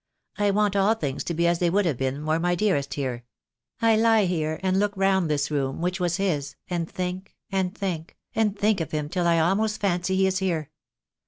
I want all things to be as they would have been were my dearest here. I lie here and look round this room, which was his, and think and think, and think of him till I almost fancy he is here.